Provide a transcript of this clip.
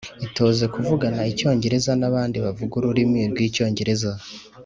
Itoze kuvugana Icyongereza n abandi bavuga ururimi rw Icyongereza